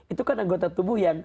itu kan anggota tubuh yang